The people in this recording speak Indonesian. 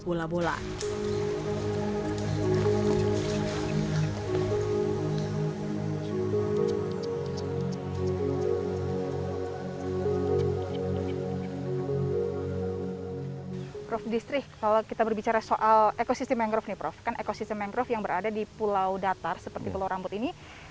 prof distri kalau kita berbicara soal ekosistem mangrove ini prof kan ekosistem mangrove yang berada di pulau datar seperti pulau rambut ini